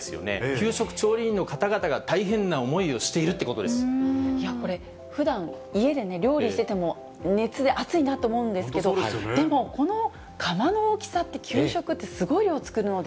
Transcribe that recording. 給食調理員の方々が大変な思いをいや、これ、ふだん、家でね、料理してても、熱で暑いなと思うんですけれども、でも、この釜の大きさって、給食ってすごい量作るので。